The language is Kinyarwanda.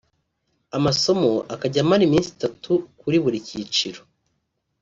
amasomo akajya amara iminsi itatu kuri buri cyiciro